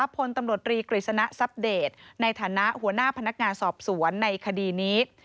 พลตำรวจรีกฤษณะทรัพเดตในฐานะหัวหน้าพนักงานสอบสวนในคดีนี้